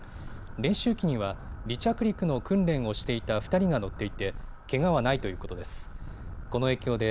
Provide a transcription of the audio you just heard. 練習機には離着陸の訓練をしていた２人が乗っていてけがはないということです。